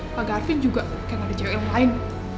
pak garfin juga kayak ada cewek yang lain